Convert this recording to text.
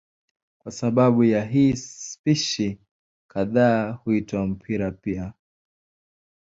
Kwa sababu ya hii spishi kadhaa huitwa mpira pia.